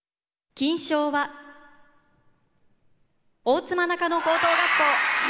・金賞は大妻中野高等学校！